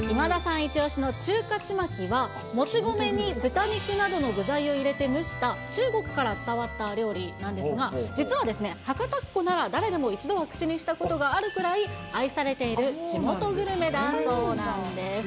一押しの中華ちまきは、もち米に豚肉などの具材を入れて蒸した中国から伝わった料理なんですが、実は博多っ子なら誰でも一度は口にしたことがあるぐらい、愛されている地元グルメだそうなんです。